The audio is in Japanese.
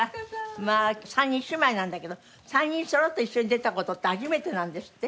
まあ３人姉妹なんだけど３人そろって一緒に出た事って初めてなんですって？